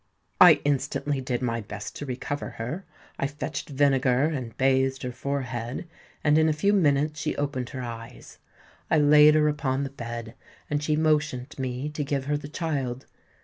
"I instantly did my best to recover her. I fetched vinegar, and bathed her forehead; and in a few minutes she opened her eyes. I laid her upon the bed; and she motioned me to give her the child.